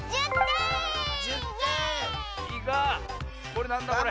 これなんだこれ。